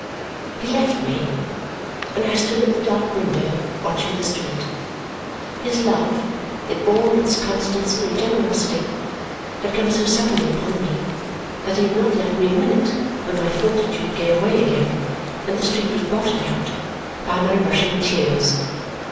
He left me, and I stood at the dark window watching the street. His love, in all its constancy and generosity, had come so suddenly upon me that he had not left me a minute when my fortitude gave way again and the street was blotted out by my rushing tears.